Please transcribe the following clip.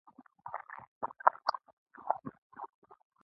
ژوند د امیدونو لاره ده، راځئ چې پرې ولاړ شو.